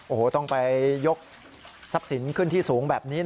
โอ้โหต้องไปยกทรัพย์สินขึ้นที่สูงแบบนี้